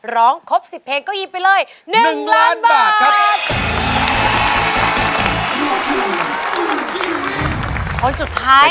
ร้องครบ๑๐เพลงก็หยิบไปเลย๑ล้านบาทครับ